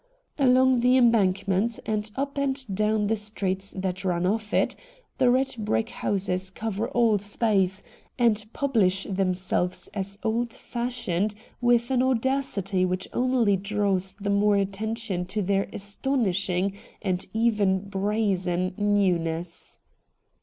Along the Embankment, and up and down the streets that run off it, the red brick houses cover all space, and pubhsh themselves as old fashioned with an audacity which only draws the more attention to their astonishing and even brazen newness.